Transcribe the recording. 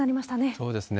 そうですね。